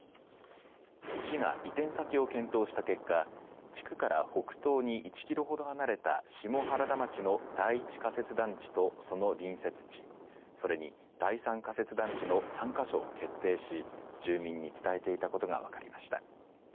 市が移転先を検討した結果、地区から北東に１キロほど離れた下原田町の第一仮設団地とその隣接地、それに第三仮設団地の３か所を決定し住民に伝えていたことが分かりました。